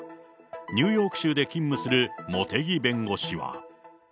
ニューヨーク州で勤務する茂木弁護士は。